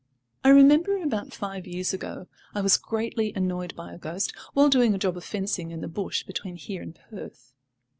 I remember, about five years ago, I was greatly annoyed by a ghost, while doing a job of fencing in the bush between here and Perth.